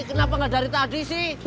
kenapa nggak dari tadi sih